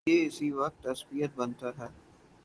یہ اسی وقت عصبیت بنتا ہے۔